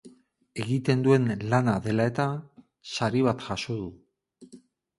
Egiten duen lana dela eta, sari bat jaso du.